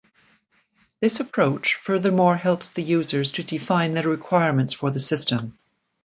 This approach furthermore helps the users to define the requirements for the system.